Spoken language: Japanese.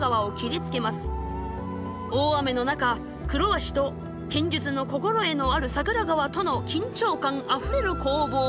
大雨の中黒鷲と剣術の心得のある櫻川との緊張感あふれる攻防が続きます。